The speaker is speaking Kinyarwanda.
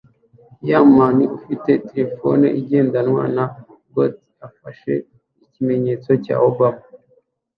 Yong man ufite terefone ngendanwa na goatee afashe ikimenyetso cya Obama